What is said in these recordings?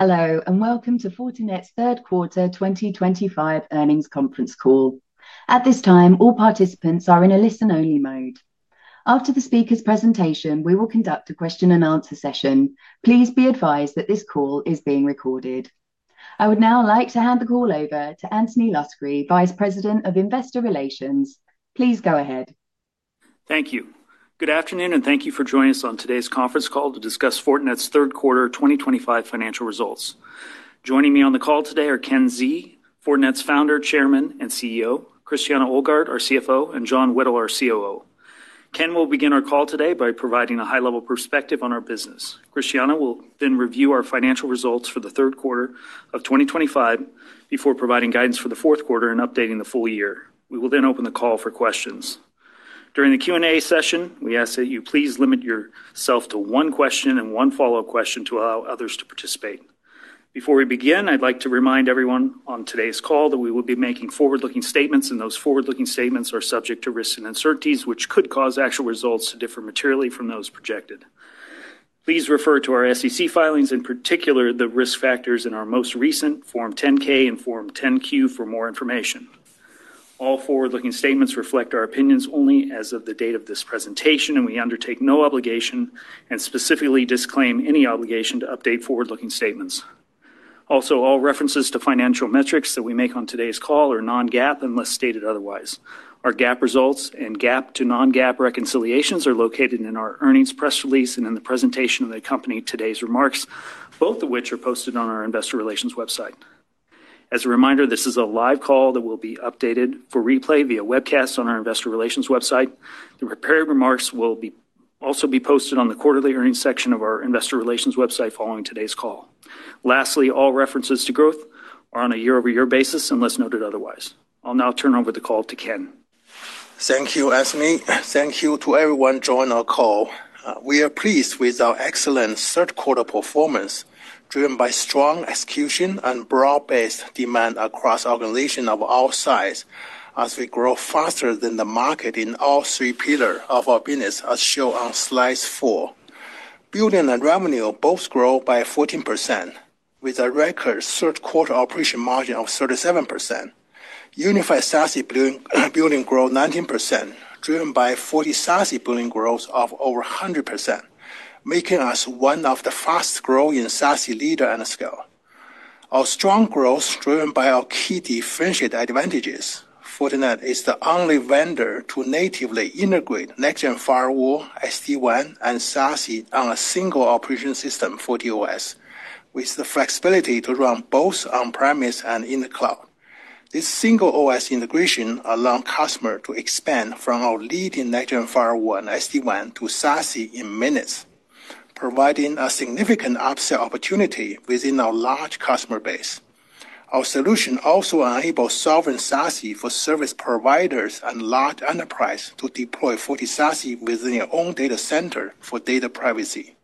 Hello, and welcome to Fortinet's third quarter 2025 earnings conference call. At this time, all participants are in a listen-only mode. After the speakers' presentation, we will conduct a question-and-answer session. Please be advised that this call is being recorded. I would now like to hand the call over to Anthony Luscri, Vice President of Investor Relations. Please go ahead. Thank you. Good afternoon, and thank you for joining us on today's conference call to discuss Fortinet's third quarter 2025 financial results. Joining me on the call today are Ken Xie, Fortinet's Founder, Chairman, and CEO; Christiane Ohlgart, our CFO; and John Whittle, our COO. Ken will begin our call today by providing a high-level perspective on our business. Christiane will then review our financial results for the third quarter of 2025 before providing guidance for the fourth quarter and updating the full year. We will then open the call for questions. During the Q&A session, we ask that you please limit yourself to one question and one follow-up question to allow others to participate. Before we begin, I'd like to remind everyone on today's call that we will be making forward-looking statements, and those forward-looking statements are subject to risks and uncertainties which could cause actual results to differ materially from those projected. Please refer to our SEC filings, in particular the risk factors in our most recent Form 10-K and Form 10-Q, for more information. All forward-looking statements reflect our opinions only as of the date of this presentation, and we undertake no obligation and specifically disclaim any obligation to update forward-looking statements. Also, all references to financial metrics that we make on today's call are non-GAAP unless stated otherwise. Our GAAP results and GAAP to non-GAAP reconciliations are located in our earnings press release and in the presentation of the company today's remarks, both of which are posted on our Investor Relations website. As a reminder, this is a live call that will be updated for replay via webcast on our Investor Relations website. The prepared remarks will also be posted on the quarterly earnings section of our Investor Relations website following today's call. Lastly, all references to growth are on a year-over-year basis unless noted otherwise. I'll now turn over the call to Ken. Thank you, Anthony. Thank you to everyone joining our call. We are pleased with our excellent third-quarter performance driven by strong execution and broad-based demand across organizations of all sizes as we grow faster than the market in all three pillars of our business, as shown on slide four. Billings and revenue both grew by 14%, with a record third-quarter operating margin of 37%. Unified SaaS billings grew 19%, driven by Fortinet SaaS billings growth of over 100%, making us one of the fastest-growing SaaS leaders at scale. Our strong growth, driven by our key differentiated advantages, Fortinet is the only vendor to natively integrate NextGen Firewall, SD-WAN, and SaaS on a single operating system, FortiOS, with the flexibility to run both on-premise and in the cloud. This single OS integration allowed customers to expand from our leading NextGen Firewall and SD-WAN to SaaS in minutes, providing a significant upsell opportunity within our large customer base. Our solution also enables sovereign SaaS for service providers and large enterprises to deploy Fortinet SaaS within their own data center for data privacy.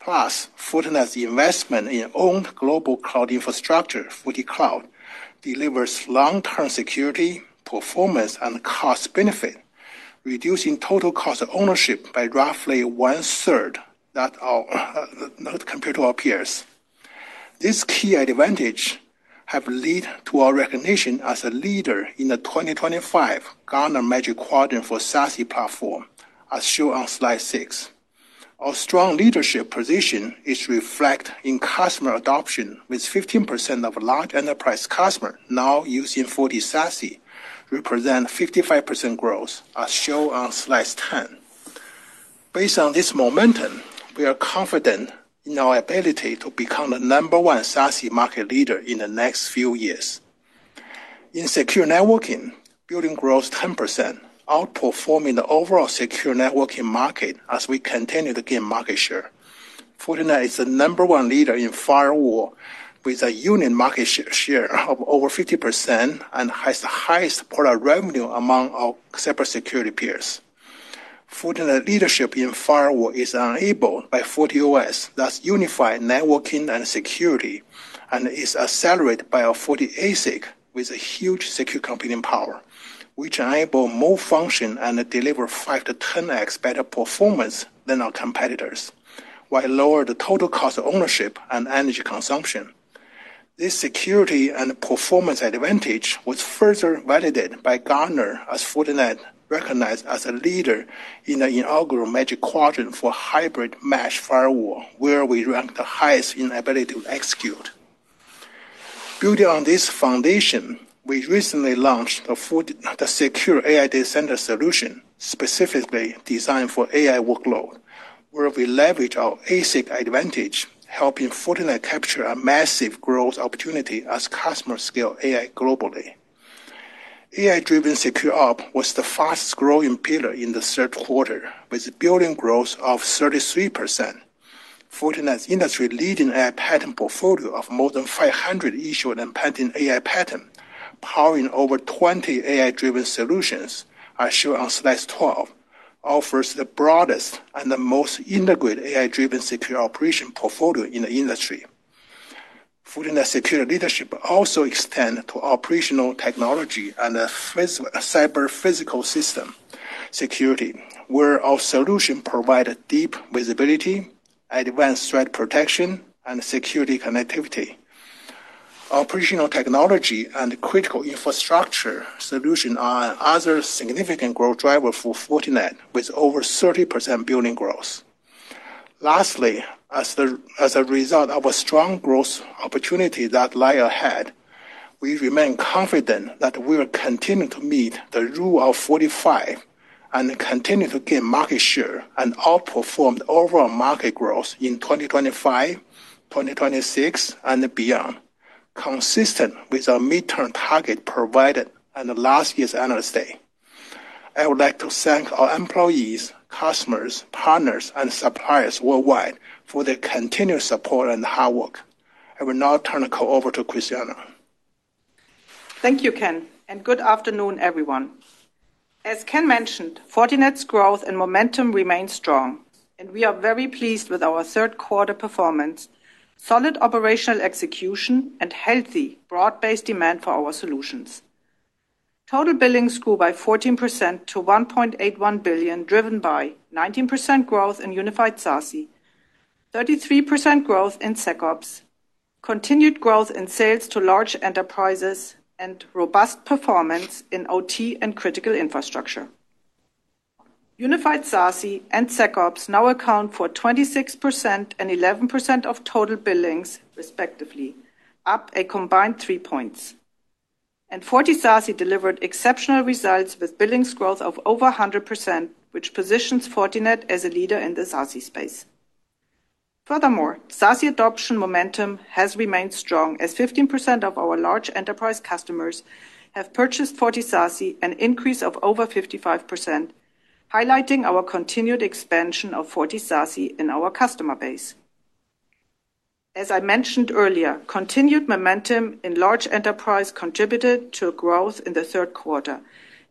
Plus, Fortinet's investment in owned global cloud infrastructure for the cloud delivers long-term security, performance, and cost-benefit, reducing total cost of ownership by roughly one-third compared to our peers. This key advantage has led to our recognition as a leader in the 2025 Gartner Magic Quadrant for SaaS platform, as shown on slide six. Our strong leadership position is reflected in customer adoption, with 15% of large enterprise customers now using Fortinet SaaS representing 55% growth, as shown on slide 10. Based on this momentum, we are confident in our ability to become the number one SaaS market leader in the next few years. In secure networking, building growth 10% outperformed the overall secure networking market as we continued to gain market share. Fortinet is the number one leader in firewall with a unit market share of over 50% and has the highest product revenue among our cybersecurity peers. Fortinet's leadership in firewall is enabled by FortiOS, thus unifying networking and security, and is accelerated by our Fortinet ASIC with a huge secure computing power, which enables more functions and delivers 5x-10x better performance than our competitors while lowering the total cost of ownership and energy consumption. This security and performance advantage was further validated by Gartner as Fortinet recognized as a leader in the inaugural Magic Quadrant for hybrid mesh firewall, where we ranked the highest in ability to execute. Building on this foundation, we recently launched the secure AI data center solution, specifically designed for AI workload, where we leveraged our ASIC advantage, helping Fortinet capture a massive growth opportunity as customers scale AI globally. AI-driven secure ops was the fastest-growing pillar in the third quarter, with building growth of 33%. Fortinet's industry-leading AI patent portfolio of more than 500 issued and pending AI patents, powering over 20 AI-driven solutions, as shown on slide 12, offers the broadest and the most integrated AI-driven secure operation portfolio in the industry. Fortinet's security leadership also extends to operational technology and cyber-physical system security, where our solutions provide deep visibility, advanced threat protection, and security connectivity. Operational technology and critical infrastructure solutions are another significant growth driver for Fortinet, with over 30% building growth. Lastly, as a result of our strong growth opportunities that lie ahead, we remain confident that we will continue to meet the rule of 45 and continue to gain market share and outperform the overall market growth in 2025, 2026, and beyond, consistent with our midterm target provided in last year's analyst day. I would like to thank our employees, customers, partners, and suppliers worldwide for their continued support and hard work. I will now turn the call over to Christiane. Thank you, Ken, and good afternoon, everyone. As Ken mentioned, Fortinet's growth and momentum remain strong, and we are very pleased with our third-quarter performance, solid operational execution, and healthy broad-based demand for our solutions. Total billing grew by 14% to $1.81 billion, driven by 19% growth in unified SaaS, 33% growth in SecOps, continued growth in sales to large enterprises, and robust performance in OT and critical infrastructure. Unified SaaS and SecOps now account for 26% and 11% of total billings, respectively, up a combined three percentage points. Fortinet SaaS delivered exceptional results with billing growth of over 100%, which positions Fortinet as a leader in the SaaS space. Furthermore, SaaS adoption momentum has remained strong as 15% of our large enterprise customers have purchased Fortinet SaaS, an increase of over 55%, highlighting our continued expansion of Fortinet SaaS in our customer base. As I mentioned earlier, continued momentum in large enterprise contributed to growth in the third quarter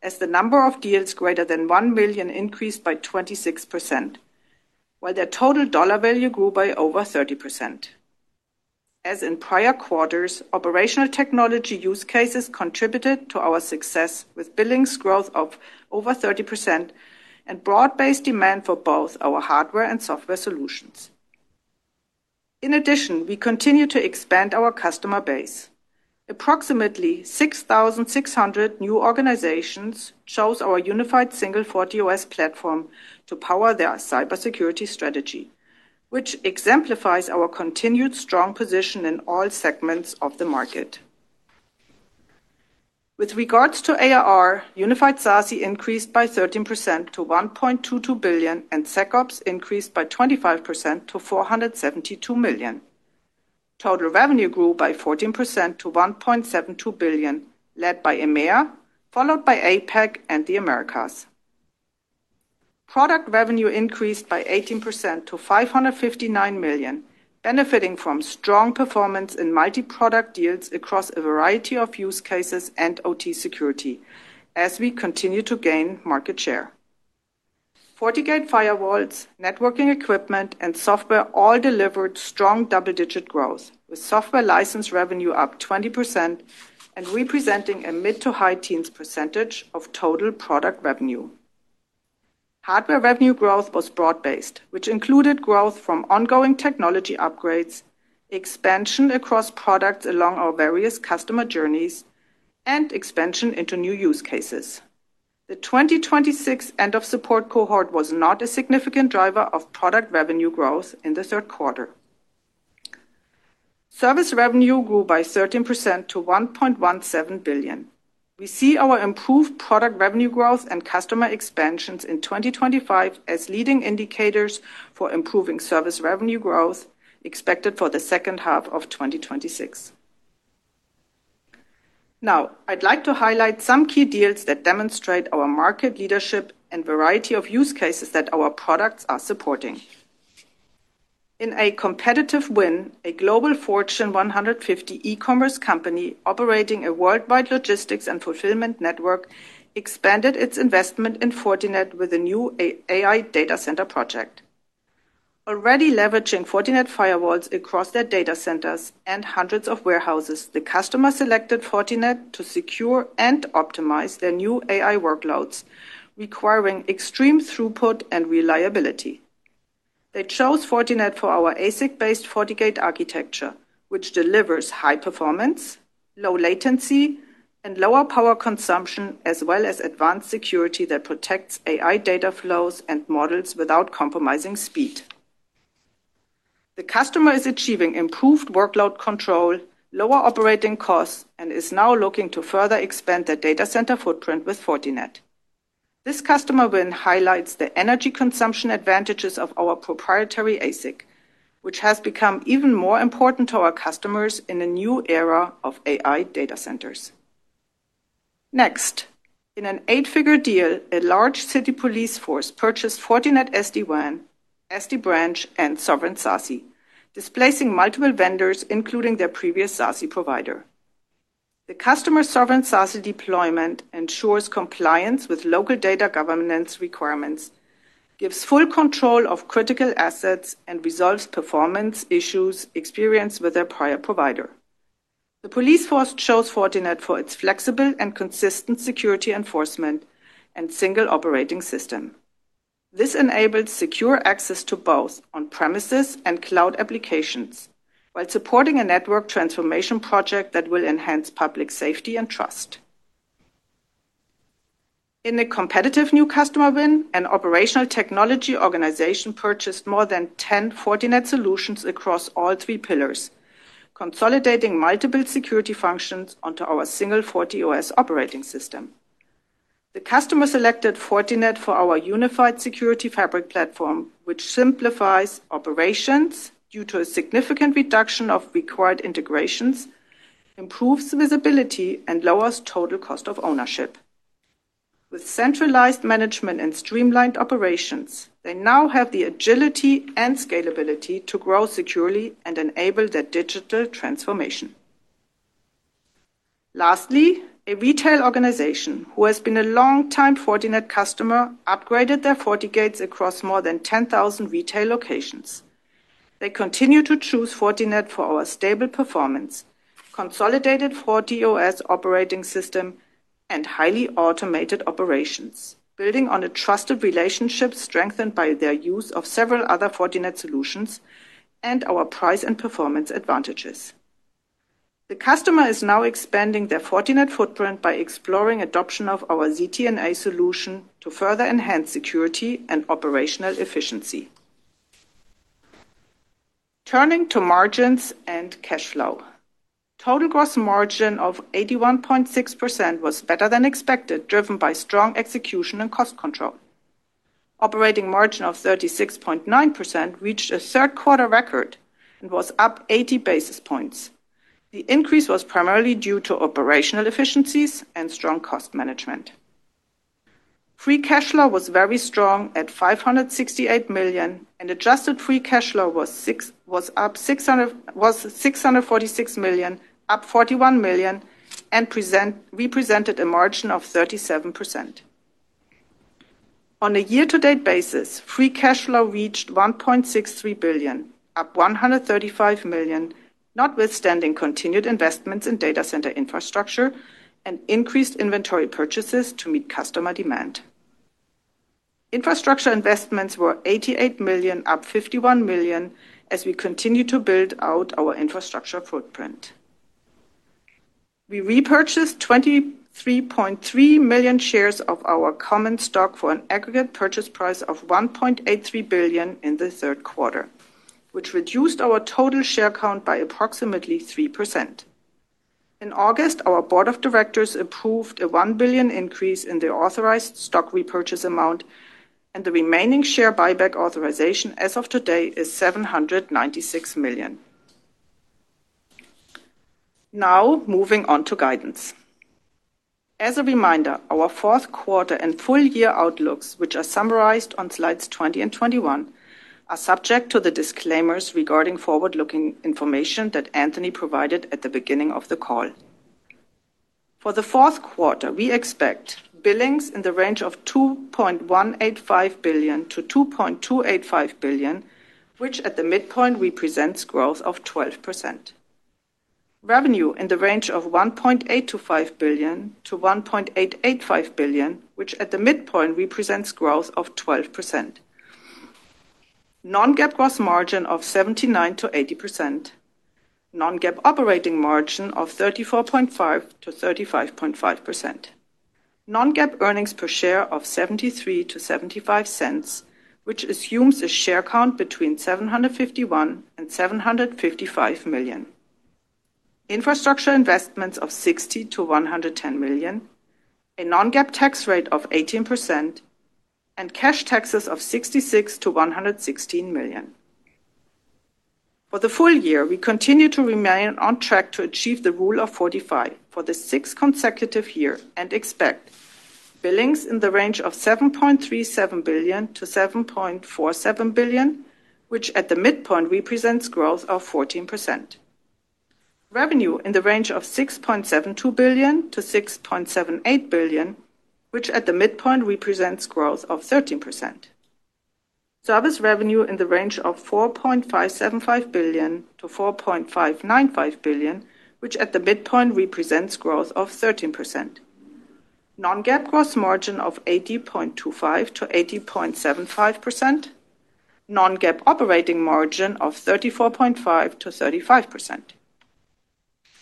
as the number of deals greater than $1 million increased by 26%, while their total dollar value grew by over 30%. As in prior quarters, operational technology use cases contributed to our success, with billing growth of over 30% and broad-based demand for both our hardware and software solutions. In addition, we continue to expand our customer base. Approximately 6,600 new organizations chose our unified single FortiOS platform to power their cybersecurity strategy, which exemplifies our continued strong position in all segments of the market. With regards to ARR, unified SaaS increased by 13% to $1.22 billion, and SecOps increased by 25% to $472 million. Total revenue grew by 14% to $1.72 billion, led by EMEA, followed by APAC and the Americas. Product revenue increased by 18% to $559 million, benefiting from strong performance in multi-product deals across a variety of use cases and OT security as we continue to gain market share. Fortinet Firewall's networking equipment and software all delivered strong double-digit growth, with software license revenue up 20% and representing a mid to high teens percentage of total product revenue. Hardware revenue growth was broad-based, which included growth from ongoing technology upgrades, expansion across products along our various customer journeys, and expansion into new use cases. The 2026 end-of-support cohort was not a significant driver of product revenue growth in the third quarter. Service revenue grew by 13% to $1.17 billion. We see our improved product revenue growth and customer expansions in 2025 as leading indicators for improving service revenue growth expected for the second half of 2026. Now, I'd like to highlight some key deals that demonstrate our market leadership and variety of use cases that our products are supporting. In a competitive win, a global Fortune 150 e-commerce company operating a worldwide logistics and fulfillment network expanded its investment in Fortinet with a new AI data center project. Already leveraging Fortinet Firewalls across their data centers and hundreds of warehouses, the customer selected Fortinet to secure and optimize their new AI workloads requiring extreme throughput and reliability. They chose Fortinet for our ASIC-based Fortinet architecture, which delivers high performance, low latency, and lower power consumption, as well as advanced security that protects AI data flows and models without compromising speed. The customer is achieving improved workload control, lower operating costs, and is now looking to further expand their data center footprint with Fortinet. This customer win highlights the energy consumption advantages of our proprietary ASIC, which has become even more important to our customers in a new era of AI data centers. Next, in an eight-figure deal, a large city police force purchased Fortinet SD-WAN, SD-Branch, and Sovereign SaaS, displacing multiple vendors, including their previous SaaS provider. The customer's Sovereign SaaS deployment ensures compliance with local data governance requirements, gives full control of critical assets, and resolves performance issues experienced with their prior provider. The police force chose Fortinet for its flexible and consistent security enforcement and single operating system. This enables secure access to both on-premises and cloud applications while supporting a network transformation project that will enhance public safety and trust. In a competitive new customer win, an operational technology organization purchased more than 10 Fortinet solutions across all three pillars, consolidating multiple security functions onto our single FortiOS operating system. The customer selected Fortinet for our unified security fabric platform, which simplifies operations due to a significant reduction of required integrations, improves visibility, and lowers total cost of ownership. With centralized management and streamlined operations, they now have the agility and scalability to grow securely and enable their digital transformation. Lastly, a retail organization who has been a long-time Fortinet customer upgraded their Fortinet across more than 10,000 retail locations. They continue to choose Fortinet for our stable performance, consolidated FortiOS operating system, and highly automated operations, building on a trusted relationship strengthened by their use of several other Fortinet solutions and our price and performance advantages. The customer is now expanding their Fortinet footprint by exploring adoption of our ZTNA solution to further enhance security and operational efficiency. Turning to margins and cash flow, total gross margin of 81.6% was better than expected, driven by strong execution and cost control. Operating margin of 36.9% reached a third-quarter record and was up 80 basis points. The increase was primarily due to operational efficiencies and strong cost management. Free cash flow was very strong at $568 million, and adjusted free cash flow was up $646 million, up $41 million, and represented a margin of 37%. On a year-to-date basis, free cash flow reached $1.63 billion, up $135 million, notwithstanding continued investments in data center infrastructure and increased inventory purchases to meet customer demand. Infrastructure investments were $88 million, up $51 million, as we continue to build out our infrastructure footprint. We repurchased 23.3 million shares of our common stock for an aggregate purchase price of $1.83 billion in the third quarter, which reduced our total share count by approximately 3%. In August, our Board of Directors approved a $1 billion increase in the authorized stock repurchase amount, and the remaining share buyback authorization as of today is $796 million. Now, moving on to guidance. As a reminder, our fourth quarter and full year outlooks, which are summarized on slides 20 and 21, are subject to the disclaimers regarding forward-looking information that Anthony provided at the beginning of the call. For the fourth quarter, we expect billings in the range of $2.185 billion-$2.285 billion, which at the midpoint represents growth of 12%. Revenue in the range of $1.825 billion-$1.885 billion, which at the midpoint represents growth of 12%. Non-GAAP gross margin of 79%-80%. Non-GAAP operating margin of 34.5%-35.5%. Non-GAAP earnings per share of $0.73-$0.75, which assumes a share count between 751 million and 755 million. Infrastructure investments of $60 million-$110 million, a non-GAAP tax rate of 18%, and cash taxes of $66 million-$116 million. For the full year, we continue to remain on track to achieve the rule of 45 for the sixth consecutive year and expect billings in the range of $7.37 billion-$7.47 billion, which at the midpoint represents growth of 14%. Revenue in the range of $6.72 billion-$6.78 billion, which at the midpoint represents growth of 13%. Service revenue in the range of $4.575 billion-$4.595 billion, which at the midpoint represents growth of 13%. Non-GAAP gross margin of 80.25%-80.75%. Non-GAAP operating margin of 34.5%-35%.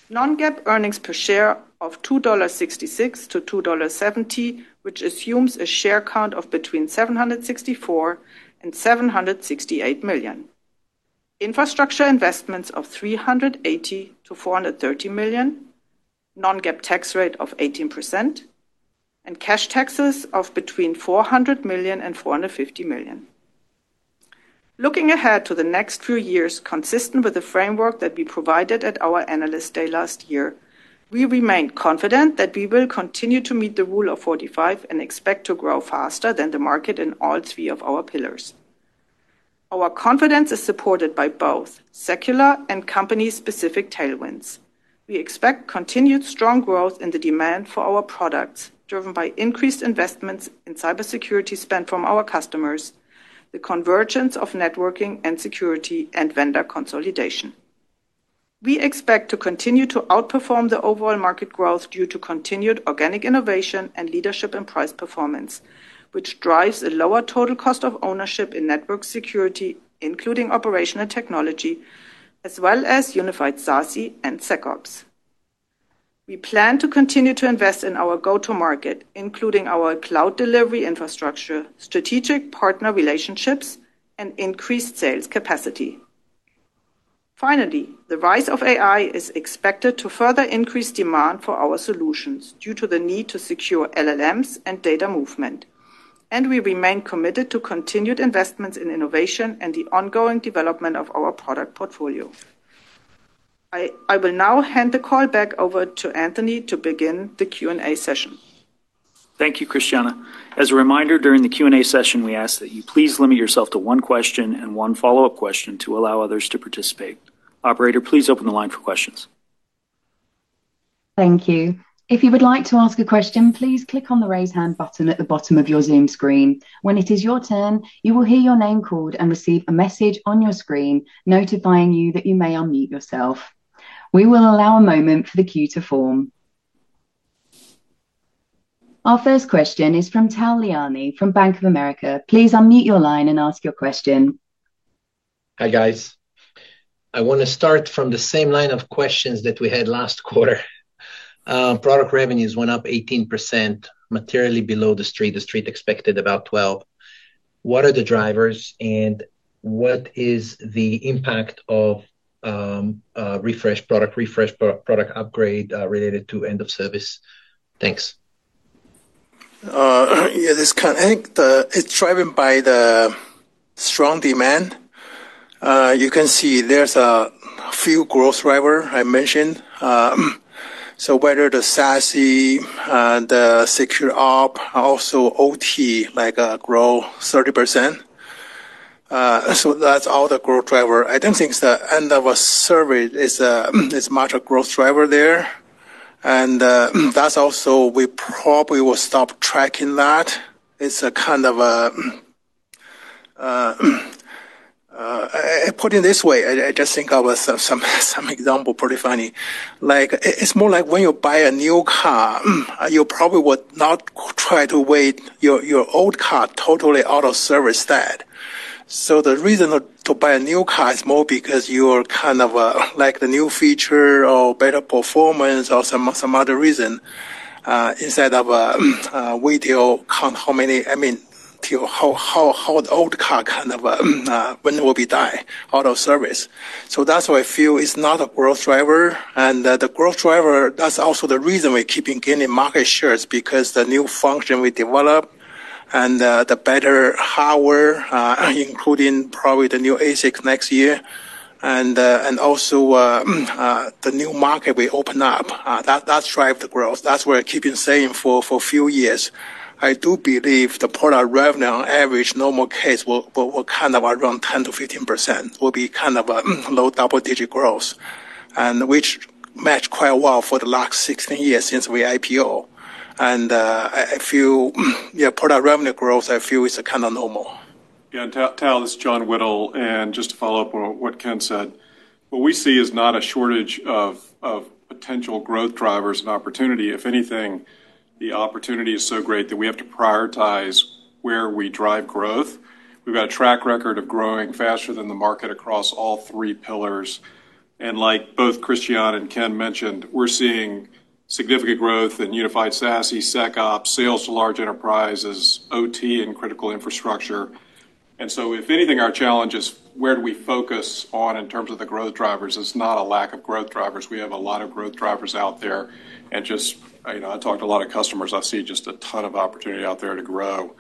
Non-GAAP earnings per share of $2.66-$2.70, which assumes a share count of between 764 and 768 million. Infrastructure investments of $380 million-$430 million, non-GAAP tax rate of 18%, and cash taxes of between $400 million and $450 million. Looking ahead to the next few years, consistent with the framework that we provided at our analyst day last year, we remain confident that we will continue to meet the rule of 45 and expect to grow faster than the market in all three of our pillars. Our confidence is supported by both secular and company-specific tailwinds. We expect continued strong growth in the demand for our products, driven by increased investments in cybersecurity spend from our customers, the convergence of networking and security, and vendor consolidation. We expect to continue to outperform the overall market growth due to continued organic innovation and leadership in price performance, which drives a lower total cost of ownership in network security, including operational technology, as well as unified SaaS and SecOps. We plan to continue to invest in our go-to-market, including our cloud delivery infrastructure, strategic partner relationships, and increased sales capacity. Finally, the rise of AI is expected to further increase demand for our solutions due to the need to secure LLMs and data movement, and we remain committed to continued investments in innovation and the ongoing development of our product portfolio. I will now hand the call back over to Anthony to begin the Q&A session. Thank you, Christiane. As a reminder, during the Q&A session, we ask that you please limit yourself to one question and one follow-up question to allow others to participate. Operator, please open the line for questions. Thank you. If you would like to ask a question, please click on the raise hand button at the bottom of your Zoom screen. When it is your turn, you will hear your name called and receive a message on your screen notifying you that you may unmute yourself. We will allow a moment for the queue to form. Our first question is from Tal Liani from Bank of America. Please unmute your line and ask your question. Hi guys. I want to start from the same line of questions that we had last quarter. Product revenues went up 18%. Materially below the street. The street expected about 12%. What are the drivers and what is the impact of refresh product, refresh product upgrade related to end of service? Thanks. Yeah, this kind of, I think it's driven by the strong demand. You can see there's a few growth drivers I mentioned. Whether the SaaS, the secure op, also OT, like a grow 30%. That's all the growth driver. I don't think the end of a service is much a growth driver there. That's also we probably will stop tracking that. It's a kind of a. Putting this way, I just think of some example pretty funny. Like it's more like when you buy a new car, you probably would not try to wait your old car totally out of service stat. The reason to buy a new car is more because you're kind of like the new feature or better performance or some other reason. Instead of waiting count how many, I mean, how the old car kind of. When will be dying out of service. That's why I feel it's not a growth driver. The growth driver, that's also the reason we're keeping gaining market shares because the new function we develop and the better hardware, including probably the new ASIC next year. Also, the new market we open up, that's driving the growth. That's what I keep saying for a few years. I do believe the product revenue on average, normal case, will kind of around 10%-15%. Will be kind of a low double-digit growth, which matched quite well for the last 16 years since we IPO. I feel, yeah, product revenue growth, I feel is kind of normal. Yeah, and Tal is John Whittle, and just to follow up on what Ken said, what we see is not a shortage of potential growth drivers and opportunity. If anything, the opportunity is so great that we have to prioritize where we drive growth. We've got a track record of growing faster than the market across all three pillars. Like both Christiane and Ken mentioned, we're seeing significant growth in unified SaaS, SecOps, sales to large enterprises, OT, and critical infrastructure. If anything, our challenge is where do we focus on in terms of the growth drivers? It's not a lack of growth drivers. We have a lot of growth drivers out there. I talked to a lot of customers. I see just a ton of opportunity out there to grow.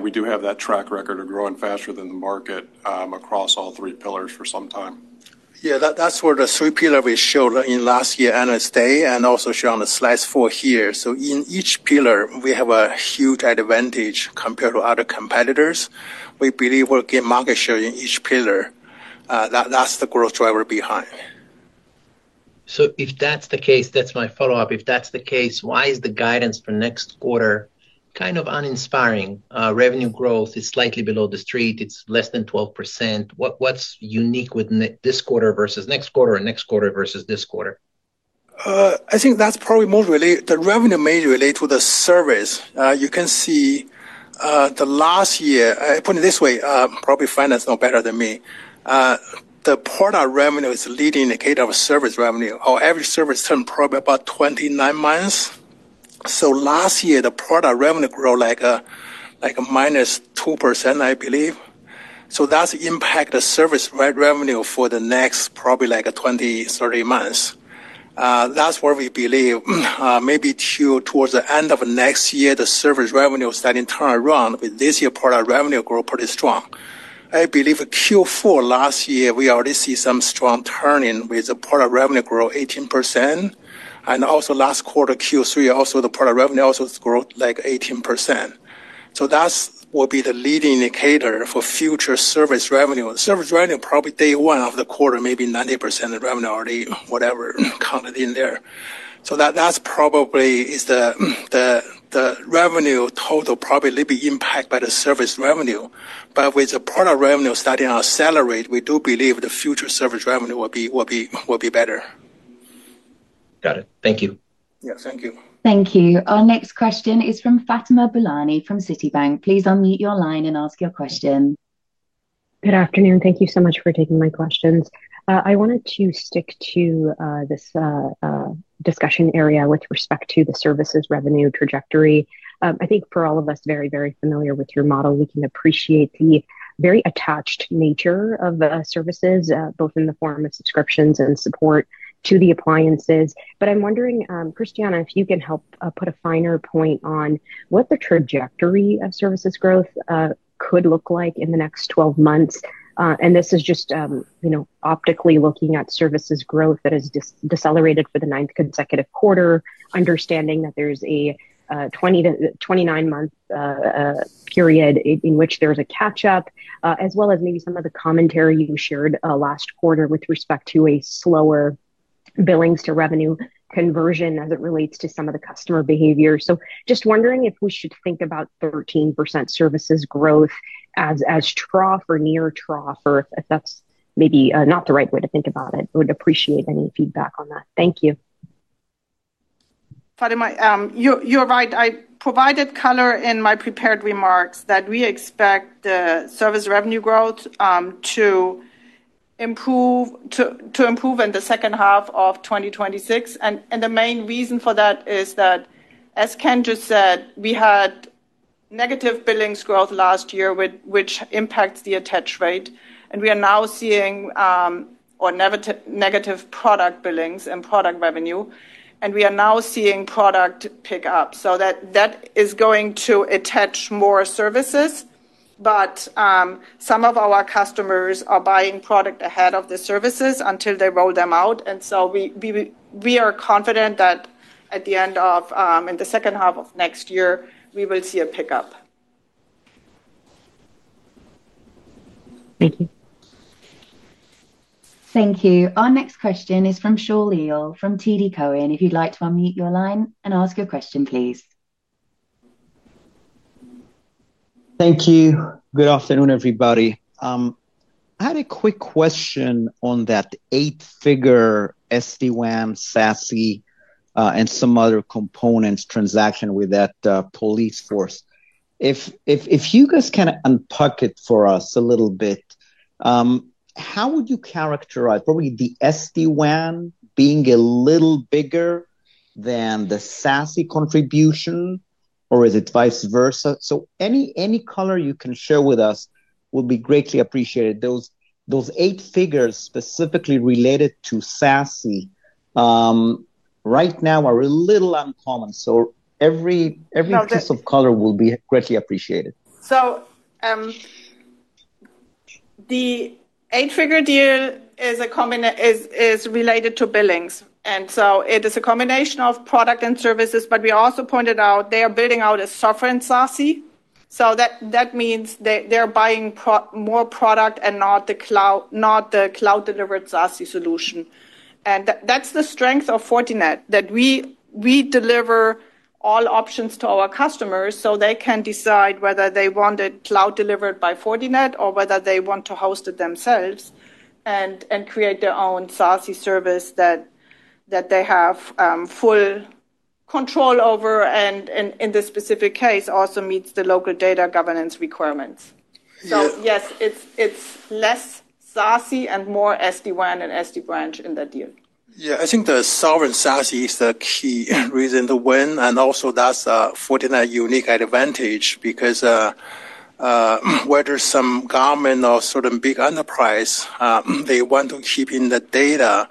We do have that track record of growing faster than the market across all three pillars for some time. Yeah, that's where the three pillars we showed in last year and its day and also showed on the slides four here. In each pillar, we have a huge advantage compared to other competitors. We believe we'll gain market share in each pillar. That's the growth driver behind. If that's the case, that's my follow-up. If that's the case, why is the guidance for next quarter kind of uninspiring? Revenue growth is slightly below the street. It's less than 12%. What's unique with this quarter versus next quarter or next quarter versus this quarter? I think that's probably more related. The revenue may relate to the service. You can see. Last year, putting it this way, probably finance knows better than me. The product revenue is a leading indicator of service revenue. Our average service term is probably about 29 months. Last year, the product revenue grew like a -2%, I believe. That's the impact of service revenue for the next probably like 20-30 months. That's where we believe maybe towards the end of next year, the service revenue starting to turn around with this year's product revenue growth pretty strong. I believe Q4 last year, we already see some strong turning with the product revenue growth 18%. And also last quarter, Q3, also the product revenue also grew like 18%. That will be the leading indicator for future service revenue. Service revenue probably day one of the quarter, maybe 90% of revenue already, whatever counted in there. That probably is the revenue total probably will be impacted by the service revenue. With the product revenue starting to accelerate, we do believe the future service revenue will be better. Got it. Thank you. Yeah, thank you. Thank you. Our next question is from Fatima Boolani from Citibank. Please unmute your line and ask your question. Good afternoon. Thank you so much for taking my questions. I wanted to stick to this discussion area with respect to the services revenue trajectory. I think for all of us, very, very familiar with your model, we can appreciate the very attached nature of the services, both in the form of subscriptions and support to the appliances. I'm wondering, Christiane, if you can help put a finer point on what the trajectory of services growth could look like in the next 12 months. This is just optically looking at services growth that has decelerated for the ninth consecutive quarter, understanding that there's a 29-month period in which there's a catch-up, as well as maybe some of the commentary you shared last quarter with respect to a slower billings to revenue conversion as it relates to some of the customer behavior. Just wondering if we should think about 13% services growth as trough or near trough, or if that's maybe not the right way to think about it. I would appreciate any feedback on that. Thank you. Fatima, you're right. I provided color in my prepared remarks that we expect the service revenue growth to improve in the second half of 2026. The main reason for that is that, as Ken just said, we had negative billings growth last year, which impacts the attach rate. We are now seeing negative product billings and product revenue, and we are now seeing product pickup. That is going to attach more services. Some of our customers are buying product ahead of the services until they roll them out. We are confident that at the end of, in the second half of next year, we will see a pickup. Thank you. Thank you. Our next question is from Shaul Eyal from TD Cowen. If you'd like to unmute your line and ask your question, please. Thank you. Good afternoon, everybody. I had a quick question on that eight-figure SD-WAN, SaaS, and some other components transaction with that police force. If you guys can unpack it for us a little bit, how would you characterize probably the SD-WAN being a little bigger than the SaaS contribution, or is it vice versa? Any color you can share with us would be greatly appreciated. Those eight figures specifically related to SaaS right now are a little uncommon. Every piece of color will be greatly appreciated. The eight-figure deal is related to billings. It is a combination of product and services, but we also pointed out they are building out a sovereign SaaS. That means they're buying more product and not the cloud-delivered SaaS solution. That's the strength of Fortinet, that we deliver all options to our customers so they can decide whether they want it cloud-delivered by Fortinet or whether they want to host it themselves and create their own SaaS service that they have full control over and in this specific case, also meets the local data governance requirements. Yes, it's less SaaS and more SD-WAN and SD-Branch in that deal. I think the sovereign SaaS is the key reason to win. Also, that's a Fortinet unique advantage because whether it's some government or certain big enterprise, they want to keep in the data.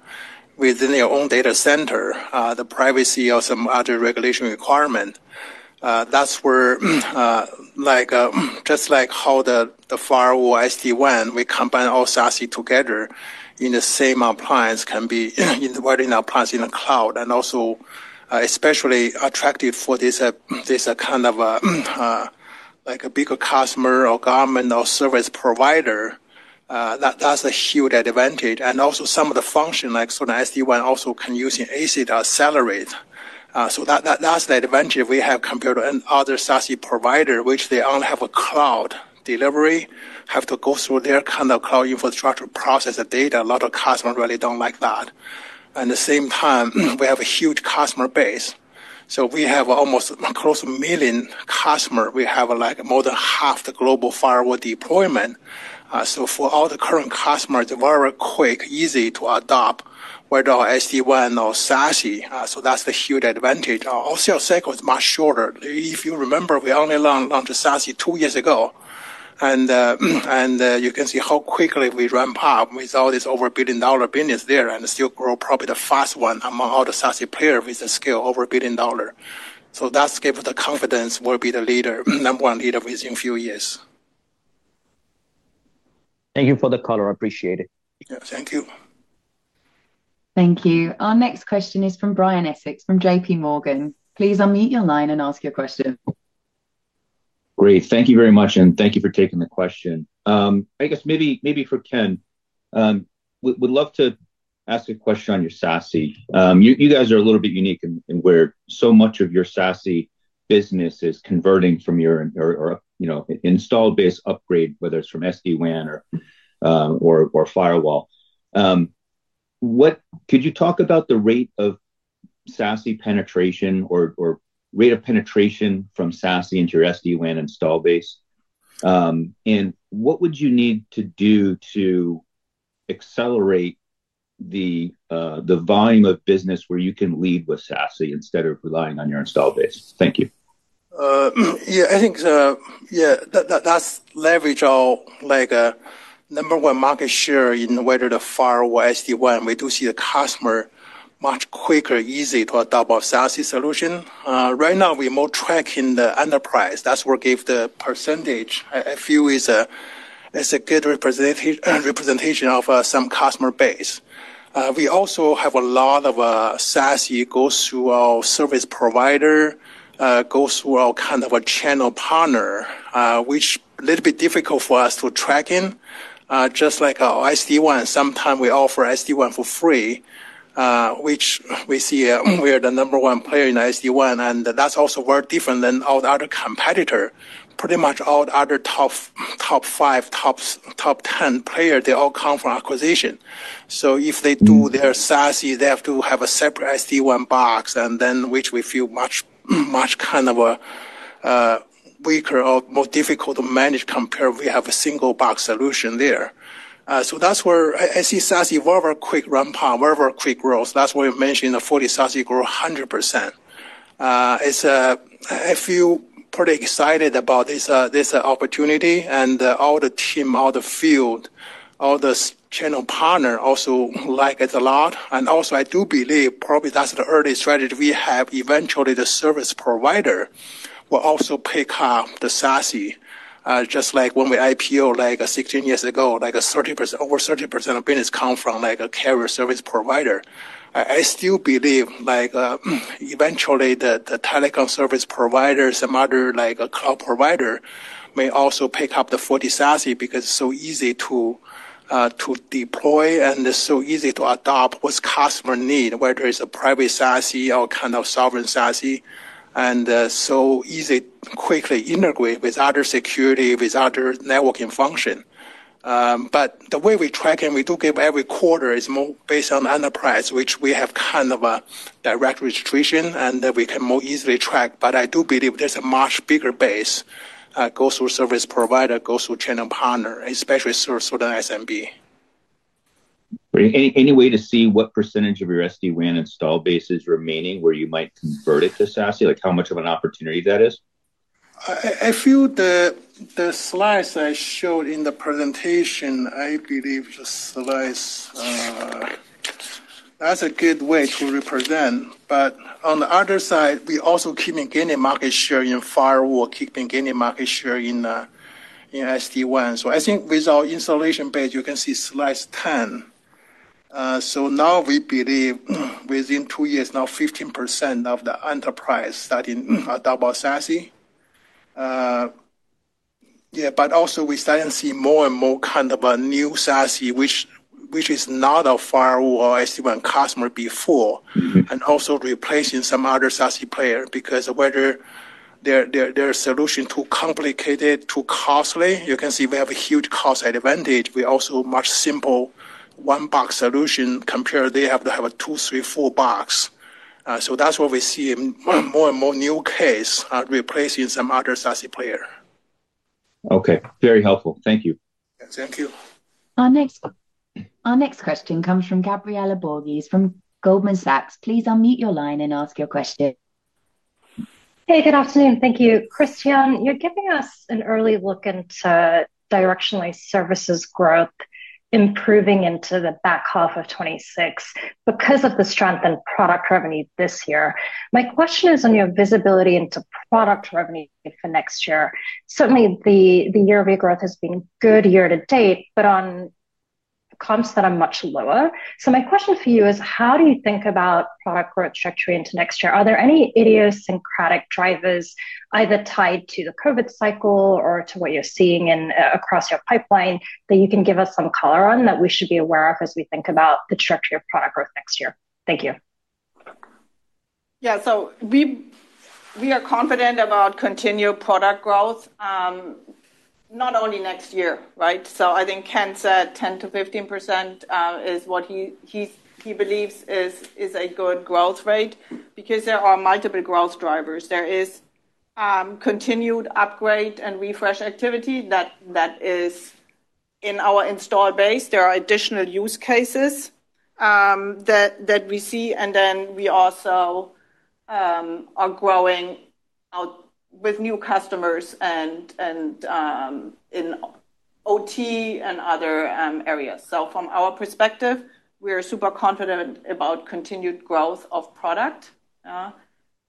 Within their own data center, the privacy of some other regulation requirement. That's where. Just like how the firewall SD-WAN, we combine all SaaS together in the same appliance can be in the cloud and also. Especially attractive for this kind of. Like a bigger customer or government or service provider. That's a huge advantage. Also, some of the functions like certain SD-WAN also can use in ASIC to accelerate. That's the advantage we have compared to other SaaS providers, which they only have a cloud delivery, have to go through their kind of cloud infrastructure process of data. A lot of customers really don't like that. At the same time, we have a huge customer base. We have almost close to a million customers. We have more than half the global firewall deployment. For all the current customers, it's very quick, easy to adopt whether SD-WAN or SaaS. That's the huge advantage. Also, our cycle is much shorter. If you remember, we only launched SaaS two years ago. You can see how quickly we ramp up with all this, over a billion dollar business there, and still grow, probably the fast one among all the SaaS players with a scale over a billion dollars. That gives the confidence we will be the leader, number one leader within a few years. Thank you for the color. Appreciate it. Yeah, thank you. Thank you. Our next question is from Brian Essex from JP Morgan. Please unmute your line and ask your question. Great. Thank you very much. And thank you for taking the question. I guess maybe for Ken. Would love to ask a question on your SaaS. You guys are a little bit unique in where so much of your SaaS business is converting from your installed-base upgrade, whether it's from SD-WAN or firewall. Could you talk about the rate of SaaS penetration or rate of penetration from SaaS into your SD-WAN install base? What would you need to do to accelerate the volume of business where you can lead with SaaS instead of relying on your install base? Thank you. Yeah, I think, yeah, that's leverage our number one market share in whether the firewall, SD-WAN. We do see the customer much quicker, easy to adopt our SaaS solution. Right now, we're more tracking the enterprise. That's where we give the percentage. I feel it's a good representation of some customer base. We also have a lot of SaaS goes through our service provider, goes through our kind of a channel partner, which is a little bit difficult for us to track in. Just like our SD-WAN, sometimes we offer SD-WAN for free. We see we are the number one player in SD-WAN. That is also very different than all the other competitors. Pretty much all the other top five, top ten players, they all come from acquisition. If they do their SaaS, they have to have a separate SD-WAN box, which we feel much, much kind of a weaker or more difficult to manage compared to we have a single box solution there. That is where I see SaaS evolve, a quick ramp-up, very quick growth. That is why I mentioned the Fortinet SaaS grow 100%. I feel pretty excited about this opportunity. All the team, all the field, all the channel partners also like it a lot. I do believe probably that's the early strategy we have. Eventually, the service provider will also pick up the SaaS. Just like when we IPO like 16 years ago, over 30% of business comes from a carrier service provider. I still believe eventually the telecom service providers, some other cloud providers may also pick up the Fortinet SaaS because it's so easy to deploy and it's so easy to adopt what's customer need, whether it's a private SaaS or kind of sovereign SaaS. It's so easy, quickly integrate with other security, with other networking function. The way we track and we do give every quarter is more based on enterprise, which we have kind of a direct registration and we can more easily track. I do believe there's a much bigger base. Goes through service provider, goes through channel partner, especially certain SMB. Any way to see what percentage of your SD-WAN install base is remaining where you might convert it to SaaS? How much of an opportunity that is? I feel the slides I showed in the presentation, I believe the slides. That's a good way to represent. On the other side, we also keep on gaining market share in firewall, keep on gaining market share in SD-WAN. I think with our installation base, you can see slides 10. We believe within two years, now 15% of the enterprise starting to adopt SaaS. Yeah, but also we started seeing more and more kind of a new SaaS, which is not a firewall SD-WAN customer before, and also replacing some other SaaS players because whether. Their solution is too complicated, too costly, you can see we have a huge cost advantage. We also have a much simpler one-box solution compared to they have to have a two, three, four box. That is what we see in more and more new cases replacing some other SaaS players. Okay. Very helpful. Thank you. Thank you. Our next question comes from Gabriela Borges from Goldman Sachs. Please unmute your line and ask your question. Hey, good afternoon. Thank you. Christiane, you are giving us an early look into directionally services growth improving into the back half of 2026 because of the strength in product revenue this year. My question is on your visibility into product revenue for next year. Certainly, the year-over-year growth has been good year to date, but on comps that are much lower. My question for you is, how do you think about product growth trajectory into next year? Are there any idiosyncratic drivers either tied to the COVID cycle or to what you're seeing across your pipeline that you can give us some color on that we should be aware of as we think about the trajectory of product growth next year? Thank you. Yeah. We are confident about continued product growth. Not only next year, right? I think Ken said 10%-15% is what he believes is a good growth rate because there are multiple growth drivers. There is continued upgrade and refresh activity that is in our install base. There are additional use cases that we see. We also are growing with new customers and in OT and other areas. From our perspective, we are super confident about continued growth of product.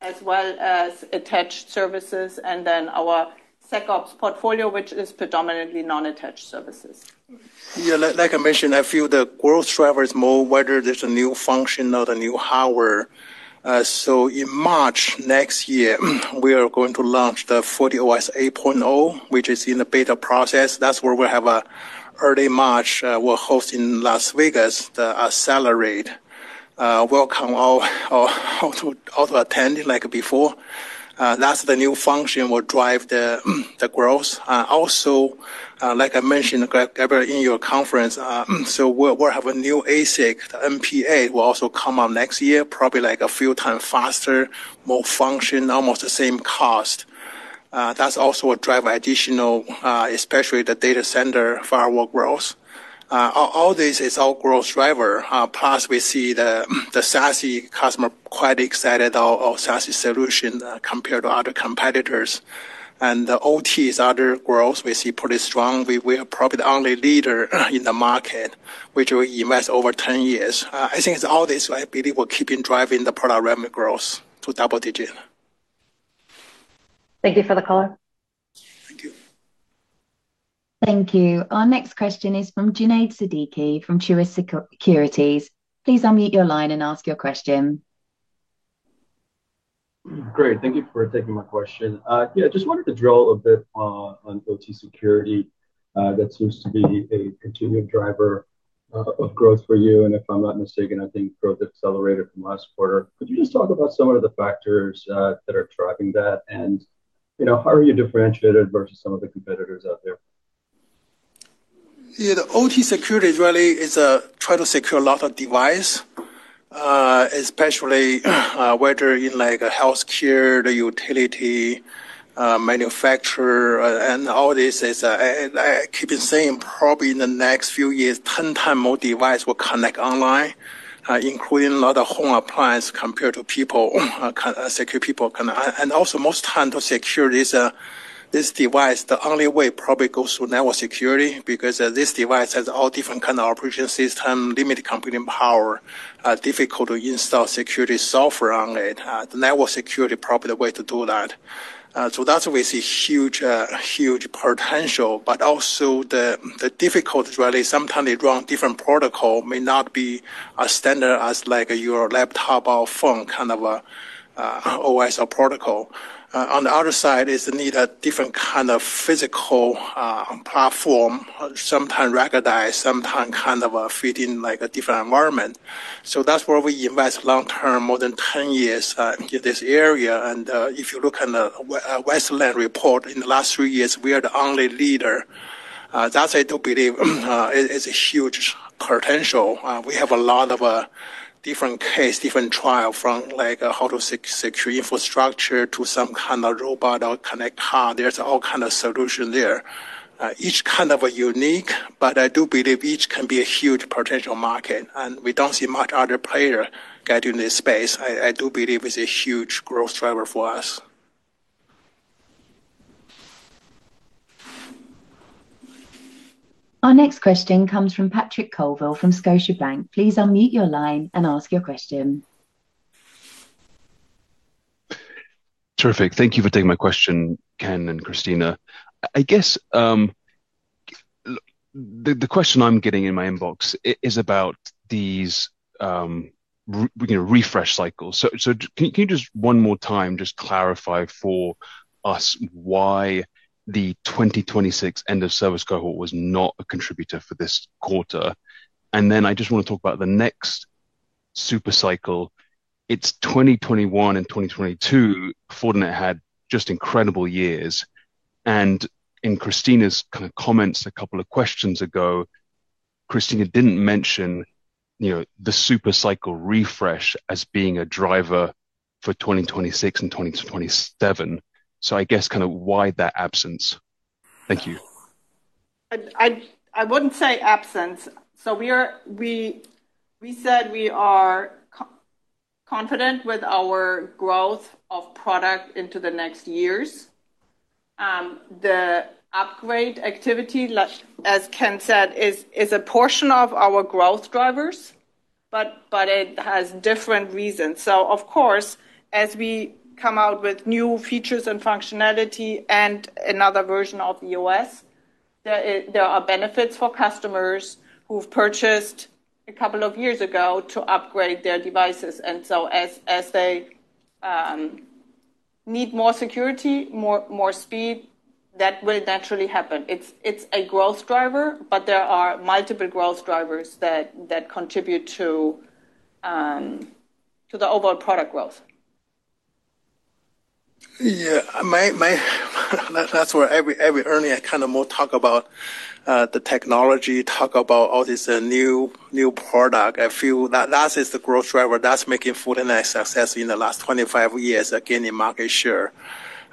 As well as attached services and then our SecOps portfolio, which is predominantly non-attached services. Yeah. Like I mentioned, I feel the growth drivers more, whether there's a new function or a new hour. In March next year, we are going to launch the FortiOS 8.0, which is in the beta process. That's where we have an early March. We're hosting in Las Vegas, the Accelerate. Welcome all to attend like before. That's the new function will drive the growth. Also, like I mentioned, Gabriela, in your conference, so we'll have a new ASIC, the MPA, will also come out next year, probably like a few times faster, more function, almost the same cost. That's also a driver additional, especially the data center firewall growth. All this is all growth drivers. Plus, we see the SaaS customer quite excited about our SaaS solution compared to other competitors. The OT is other growth we see pretty strong. We are probably the only leader in the market, which we invest over 10 years. I think all this, I believe, will keep driving the product revenue growth to double digit. Thank you for the color. Thank you. Thank you. Our next question is from Junaid Siddiqui from Truist Securities. Please unmute your line and ask your question. Great. Thank you for taking my question. Yeah. Just wanted to drill a bit on OT security. That seems to be a continued driver of growth for you. And if I'm not mistaken, I think growth accelerated from last quarter. Could you just talk about some of the factors that are driving that? And how are you differentiated versus some of the competitors out there? Yeah. The OT security really is trying to secure a lot of device. Especially. Whether in healthcare, the utility, manufacturer, and all this is. Keeping saying probably in the next few years, 10 times more devices will connect online, including a lot of home appliances compared to people. Secure people. And also, most times to secure this device, the only way probably goes through network security because this device has all different kinds of operation systems, limited computing power, difficult to install security software on it. The network security is probably the way to do that. That's where we see huge potential, but also the difficulty is sometimes they run different protocols, may not be as standard as your laptop or phone kind of OS or protocol. On the other side, it needs a different kind of physical platform, sometimes ruggedized, sometimes kind of fitting a different environment. That's where we invest long-term, more than 10 years in this area. If you look at the Westland report in the last three years, we are the only leader. That is why I do believe it is a huge potential. We have a lot of different cases, different trials from how to secure infrastructure to some kind of robot or connected car. There are all kinds of solutions there. Each is kind of unique, but I do believe each can be a huge potential market. We do not see much other players getting in this space. I do believe it is a huge growth driver for us. Our next question comes from Patrick Colville from Scotiabank. Please unmute your line and ask your question. Terrific. Thank you for taking my question, Ken and Christiane. I guess the question I am getting in my inbox is about these refresh cycles. Can you just one more time clarify for us why the 2026 end-of-service cohort was not a contributor for this quarter? I just want to talk about the next super cycle. It's 2021 and 2022. Fortinet had just incredible years. In Christiane's comments a couple of questions ago, Christiane did not mention the super cycle refresh as being a driver for 2026 and 2027. I guess kind of why that absence? Thank you. I would not say absence. We said we are confident with our growth of product into the next years. The upgrade activity, as Ken said, is a portion of our growth drivers, but it has different reasons. Of course, as we come out with new features and functionality and another version of the OS, there are benefits for customers who purchased a couple of years ago to upgrade their devices. As they need more security, more speed, that will naturally happen. It's a growth driver, but there are multiple growth drivers that contribute to the overall product growth. Yeah. I would only kind of more talk about the technology, talk about all these new products. I feel that that is the growth driver that's making Fortinet success in the last 25 years, gaining market share.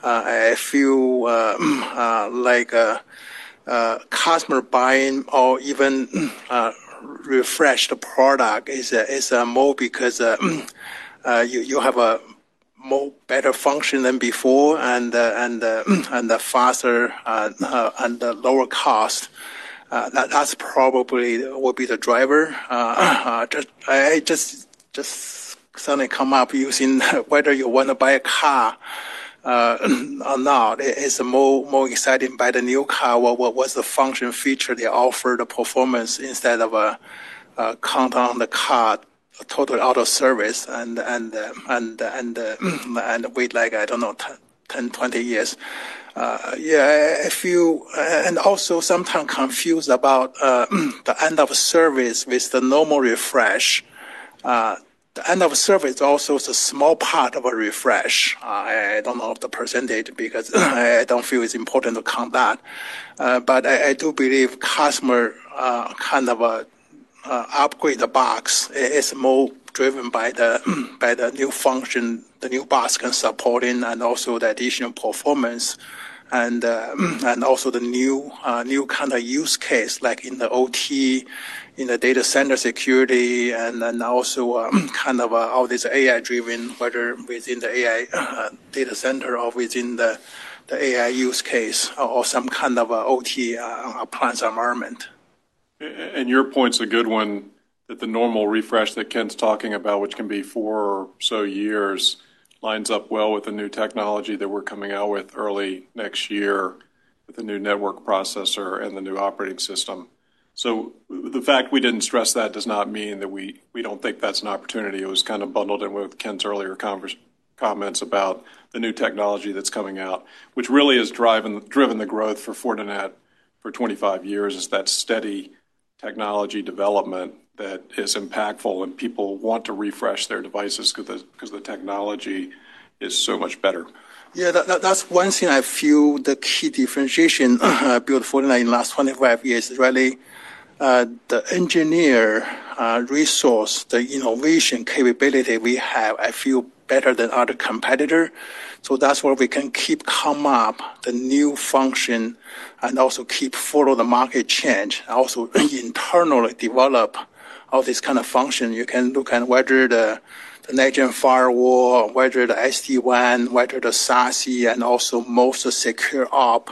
I feel like customer buying or even refreshed product is more because you have a more better function than before and the faster and the lower cost. That's probably what will be the driver. I just suddenly come up using whether you want to buy a car or not. It's more exciting to buy the new car. What's the function feature they offer, the performance instead of counting on the car, total auto service, and. Wait like, I don't know, 10-20 years. Yeah. Also sometimes confused about the end of service with the normal refresh. The end of service also is a small part of a refresh. I don't know the percentage because I don't feel it's important to count that. I do believe customer kind of upgrade the box is more driven by the new function the new box can support in, and also the additional performance, and also the new kind of use case like in the OT, in the data center security, and also kind of all this AI-driven, whether within the AI data center or within the AI use case or some kind of OT appliance environment. Your point's a good one that the normal refresh that Ken's talking about, which can be four or so years, lines up well with the new technology that we're coming out with early next year with the new network processor and the new operating system. The fact we didn't stress that does not mean that we don't think that's an opportunity. It was kind of bundled in with Ken's earlier comments about the new technology that's coming out, which really has driven the growth for Fortinet for 25 years is that steady technology development that is impactful and people want to refresh their devices because the technology is so much better. Yeah. That's one thing I feel the key differentiation I built Fortinet in the last 25 years is really. The engineer resource, the innovation capability we have, I feel better than other competitors. That's where we can keep coming up with the new function and also keep following the market change. Also internally develop all this kind of function. You can look at whether the NextGen Firewall, whether the SD-WAN, whether the SaaS, and also most secure op.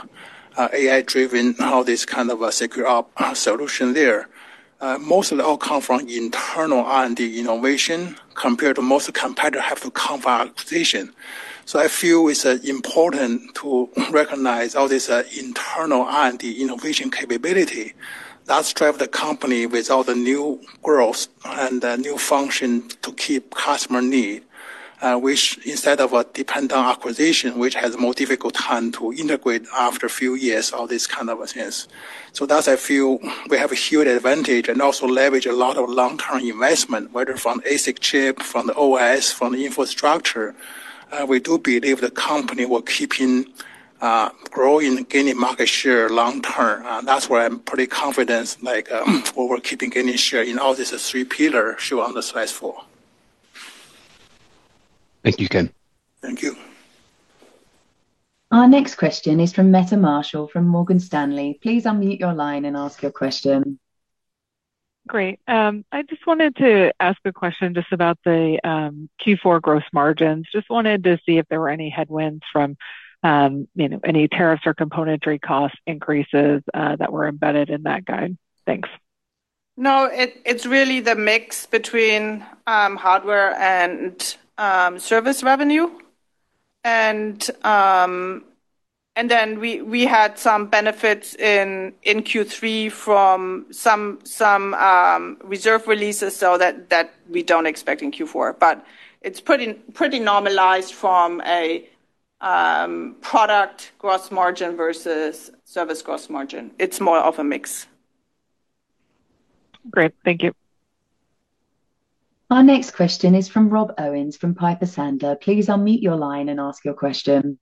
AI-driven, all this kind of secure op solution there. Most of it all comes from internal R&D innovation compared to most competitors have to come for acquisition. I feel it's important to recognize all this internal R&D innovation capability that's driving the company with all the new growth and new function to keep customer need, which instead of a dependent acquisition, which has a more difficult time to integrate after a few years, all this kind of things. That's why I feel we have a huge advantage and also leverage a lot of long-term investment, whether from the ASIC chip, from the OS, from the infrastructure. We do believe the company will keep growing, gaining market share long-term. That's where I'm pretty confident. We're keeping gaining share in all these three pillars shown on slide four. Thank you, Ken. Thank you. Our next question is from Meta Marshall from Morgan Stanley. Please unmute your line and ask your question. Great. I just wanted to ask a question just about the Q4 growth margins. Just wanted to see if there were any headwinds from any tariffs or componentary cost increases that were embedded in that guide. Thanks. No, it's really the mix between hardware and service revenue. Then we had some benefits in Q3 from some reserve releases that we don't expect in Q4. It's pretty normalized from a product gross margin versus service gross margin. It's more of a mix. Great. Thank you. Our next question is from Rob Owens from Piper Sandler. Please unmute your line and ask your question.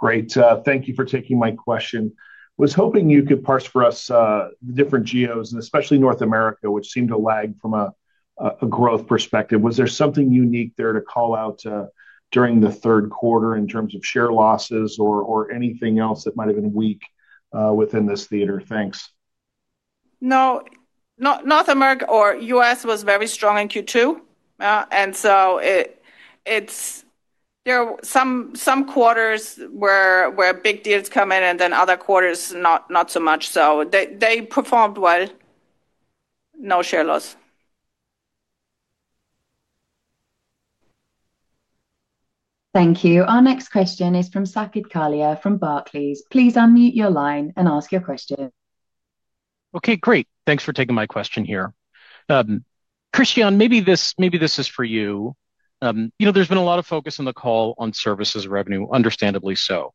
Great. Thank you for taking my question. I was hoping you could parse for us the different geos, and especially North America, which seemed to lag from a growth perspective. Was there something unique there to call out during the third quarter in terms of share losses or anything else that might have been weak within this theater? Thanks. No. North America or U.S. was very strong in Q2. There were some quarters where big deals come in and then other quarters not so much. They performed well. No share loss. Thank you. Our next question is from Saket Kalia from Barclays. Please unmute your line and ask your question. Okay. Great. Thanks for taking my question here. Christiane, maybe this is for you. There's been a lot of focus on the call on services revenue, understandably so.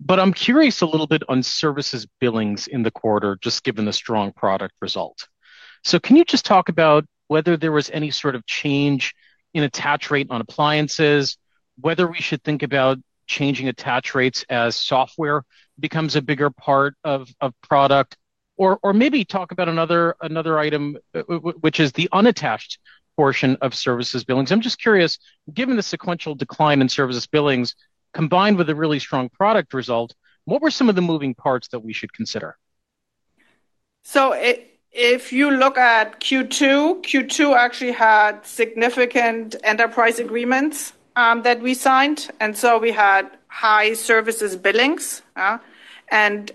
But I'm curious a little bit on services billings in the quarter, just given the strong product result. Can you just talk about whether there was any sort of change in attach rate on appliances, whether we should think about changing attach rates as software becomes a bigger part of product, or maybe talk about another item, which is the unattached portion of services billings? I'm just curious, given the sequential decline in services billings combined with a really strong product result, what were some of the moving parts that we should consider? If you look at Q2, Q2 actually had significant enterprise agreements that we signed. We had high services billings. In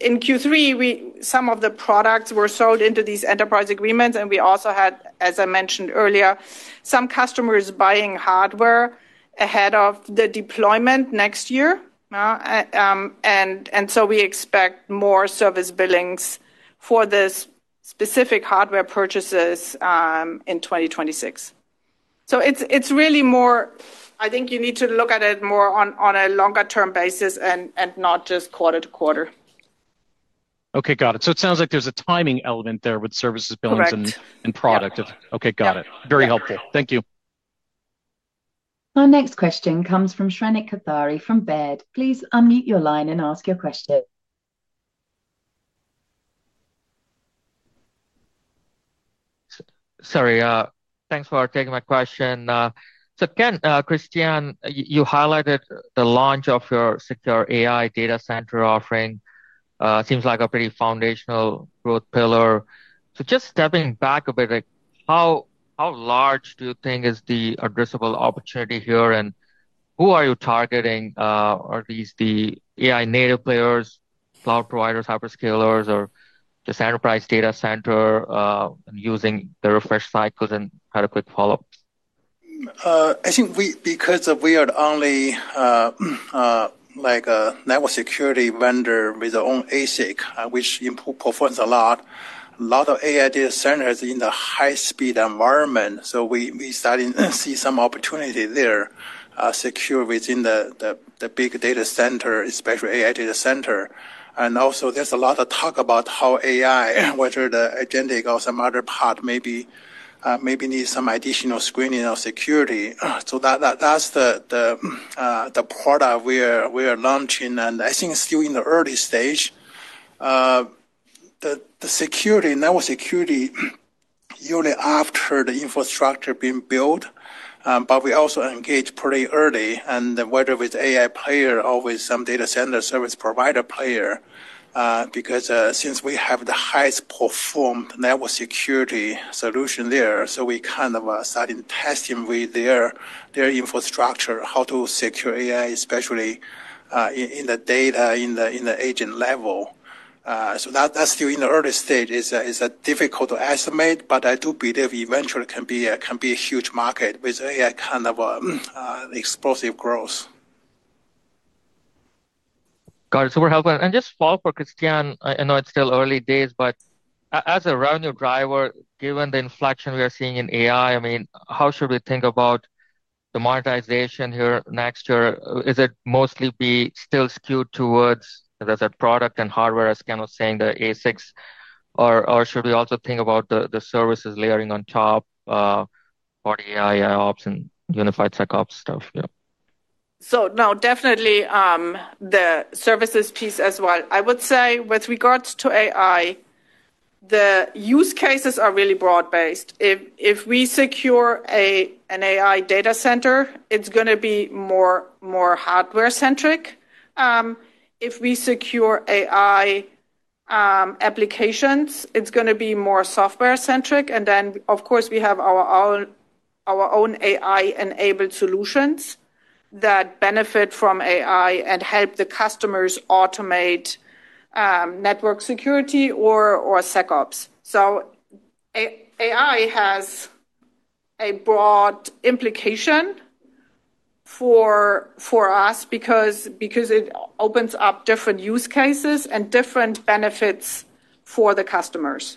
Q3, some of the products were sold into these enterprise agreements. We also had, as I mentioned earlier, some customers buying hardware ahead of the deployment next year. We expect more service billings for these specific hardware purchases in 2026. It is really more, I think you need to look at it more on a longer-term basis and not just quarter to quarter. Okay. Got it. It sounds like there is a timing element there with services billings and product. Okay. Got it. Very helpful. Thank you. Our next question comes from Shrenik Kothari from Baird. Please unmute your line and ask your question. Sorry. Thanks for taking my question. Again, Christiane, you highlighted the launch of your secure AI data center offering. Seems like a pretty foundational growth pillar. Just stepping back a bit, how. large do you think is the addressable opportunity here? And who are you targeting? Are these the AI native players, cloud providers, hyperscalers, or just enterprise data center using the refresh cycles and kind of quick follow-ups? I think because we are only a network security vendor with our own ASIC, which performs a lot, a lot of AI data centers in the high-speed environment. We started to see some opportunity there, secure within the big data center, especially AI data center. Also, there's a lot of talk about how AI, whether the agentic or some other part, maybe needs some additional screening or security. That's the product we are launching. I think still in the early stage. The security, network security. Usually after the infrastructure being built, but we also engage pretty early, and whether with AI player or with some data center service provider player, because since we have the highest performed network security solution there, we kind of started testing with their infrastructure, how to secure AI, especially in the data, in the agent level. That's still in the early stage. It's difficult to estimate, but I do believe eventually can be a huge market with AI kind of explosive growth. Got it. Super helpful. Just follow-up for Christiane, I know it's still early days, but as a revenue driver, given the inflection we are seeing in AI, I mean, how should we think about the monetization here next year? Is it mostly be still skewed towards the product and hardware, as Ken was saying, the ASICs, or should we also think about the services layering on top for AI ops and unified tech ops stuff? Yeah. No, definitely. The services piece as well. I would say with regards to AI, the use cases are really broad-based. If we secure an AI data center, it's going to be more hardware-centric. If we secure AI applications, it's going to be more software-centric. Of course, we have our own AI-enabled solutions that benefit from AI and help the customers automate network security or SecOps. AI has a broad implication for us because it opens up different use cases and different benefits for the customers.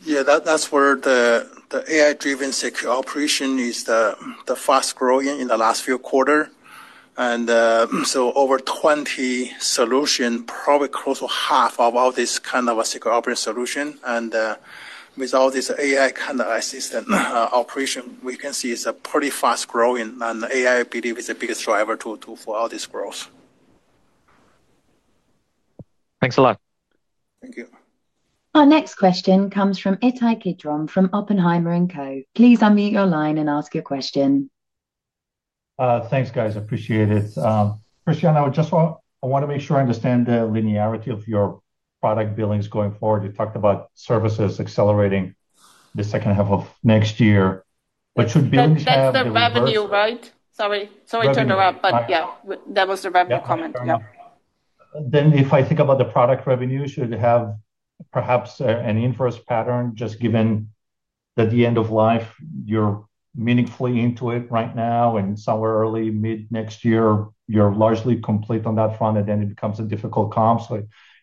Yeah, that's where the AI-driven secure operation is the fast growing in the last few quarters. Over 20 solutions, probably close to half of all this kind of a secure operating solution. With all this AI kind of assistant operation, we can see it's a pretty fast growing. And AI, I believe, is the biggest driver for all this growth. Thanks a lot. Thank you. Our next question comes from Ittai Kidron from Oppenheimer & Co. Please unmute your line and ask your question. Thanks, guys. Appreciate it. Christian, I want to make sure I understand the linearity of your product billings going forward. You talked about services accelerating the second half of next year. Should billings have— that's the revenue, right? Sorry. Sorry to interrupt, but yeah, that was the revenue comment. Yeah. If I think about the product revenue, should it have perhaps an inverse pattern just given that the end of life, you're meaningfully into it right now, and somewhere early, mid next year, you're largely complete on that front, and it becomes a difficult comp?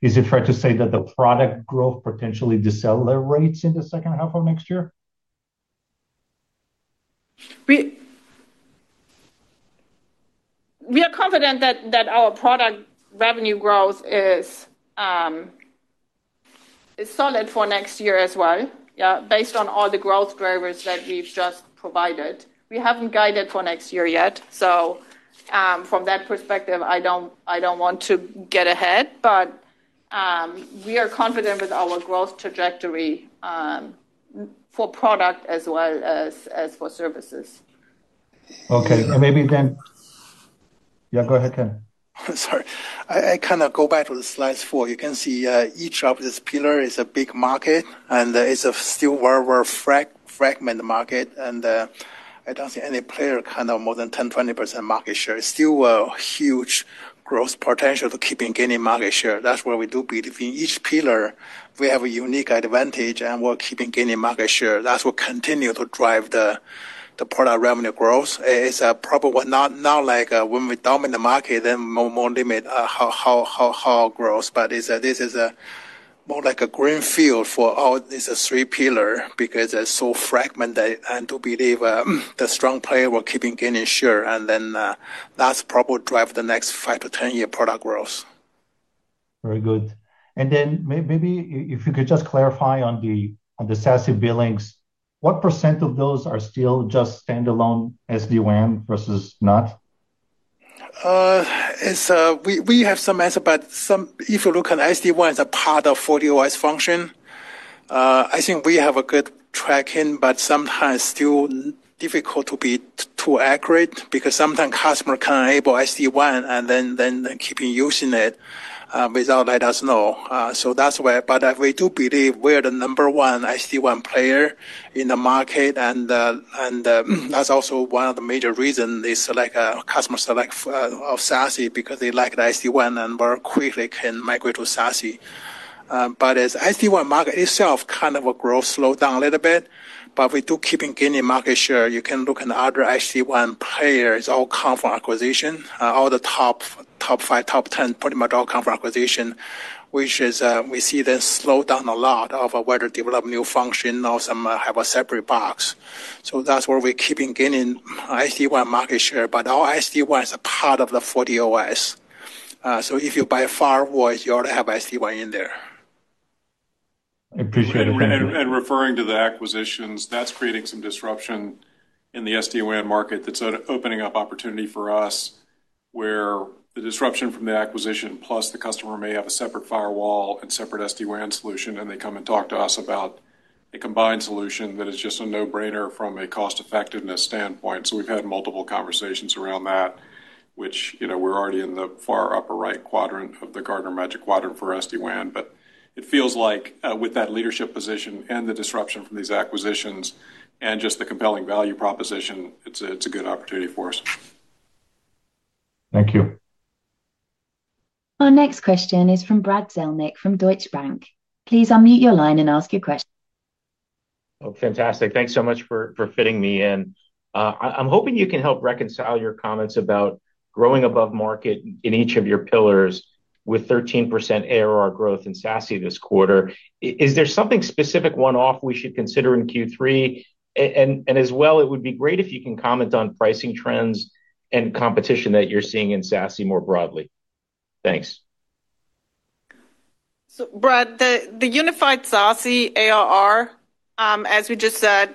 Is it fair to say that the product growth potentially decelerates in the second half of next year? We are confident that our product revenue growth is solid for next year as well, yeah, based on all the growth drivers that we've just provided. We haven't guided for next year yet. From that perspective, I don't want to get ahead. We are confident with our growth trajectory for product as well as for services. Okay. Maybe then— yeah, go ahead, Ken. Sorry. I kind of go back to the slide four. You can see each of these pillars is a big market, and it's still a very, very fragmented market. I don't see any player kind of more than 10%-20% market share. It's still a huge growth potential to keep gaining market share. That's where we do believe in each pillar, we have a unique advantage, and we're keeping gaining market share. That's what continues to drive the product revenue growth. It's probably not like when we dominate the market, then more limit how growth. This is more like a greenfield for all these three pillars because it's so fragmented. To believe the strong player will keep gaining share. That's probably driving the next 5-10 year product growth. Very good. Maybe if you could just clarify on the SaaS billings, what percent of those are still just standalone SD-WAN versus not? We have some answer, but if you look at SD-WAN as a part of FortiOS function. I think we have a good tracking, but sometimes still difficult to be too accurate because sometimes customers can enable SD-WAN and then keep using it without letting us know. That is where, but we do believe we are the number one SD-WAN player in the market. That is also one of the major reasons they select customers of SaaS because they like the SD-WAN and very quickly can migrate to SaaS. As the SD-WAN market itself kind of grows, slow down a little bit, but we do keep gaining market share. You can look at other SD-WAN players. All come from acquisition. All the top five, top 10, pretty much all come from acquisition, which is we see them slow down a lot of whether develop new function or have a separate box. That is where we keep gaining SD-WAN market share. All SD-WAN is a part of the FortiOS. If you buy a firewall, you already have SD-WAN in there. I appreciate it. Referring to the acquisitions, that is creating some disruption in the SD-WAN market that is opening up opportunity for us. Where the disruption from the acquisition, plus the customer may have a separate firewall and separate SD-WAN solution, and they come and talk to us about a combined solution that is just a no-brainer from a cost-effectiveness standpoint. We have had multiple conversations around that, which we are already in the far upper right quadrant of the Gartner Magic Quadrant for SD-WAN. But it feels like with that leadership position and the disruption from these acquisitions and just the compelling value proposition, it's a good opportunity for us. Thank you. Our next question is from Brad Zelnick from Deutsche Bank. Please unmute your line and ask your question. Fantastic. Thanks so much for fitting me in. I'm hoping you can help reconcile your comments about growing above market in each of your pillars with 13% ARR growth in SaaS this quarter. Is there something specific one-off we should consider in Q3? As well, it would be great if you can comment on pricing trends and competition that you're seeing in SaaS more broadly. Thanks. Brad, the unified SaaS ARR, as we just said,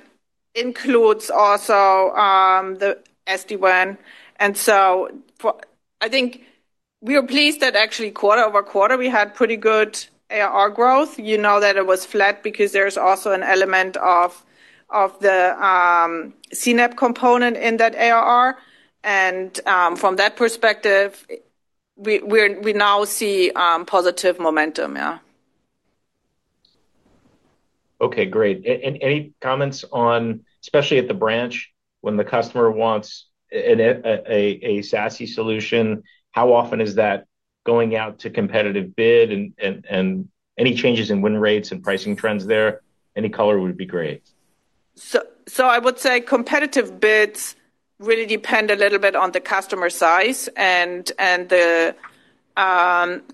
includes also the SD-WAN. I think we are pleased that actually quarter over quarter, we had pretty good ARR growth. You know that it was flat because there's also an element of the CNAPP component in that ARR. And from that perspective, we now see positive momentum. Yeah. Okay. Great. Any comments on, especially at the branch, when the customer wants a SaaS solution, how often is that going out to competitive bid and any changes in win rates and pricing trends there? Any color would be great. I would say competitive bids really depend a little bit on the customer size and the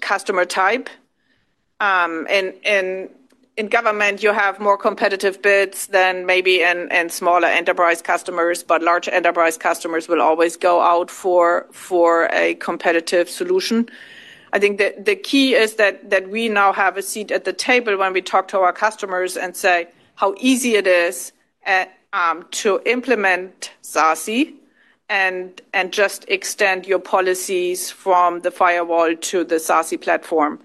customer type. In government, you have more competitive bids than maybe in smaller enterprise customers, but large enterprise customers will always go out for a competitive solution. I think the key is that we now have a seat at the table when we talk to our customers and say how easy it is to implement. SaaS and just extend your policies from the firewall to the SaaS platform.